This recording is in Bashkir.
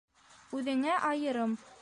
Үҙеңә айырым